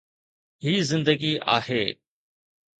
هي زندگي آهي.